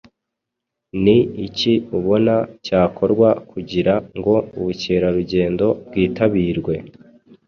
Ni iki ubona cyakorwa kugira ngo ubukerarugendo bwitabirwe